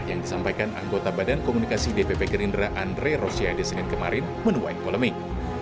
yang disampaikan anggota badan komunikasi dpp gerindra andre rosiade senin kemarin menuai polemik